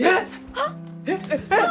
あっ！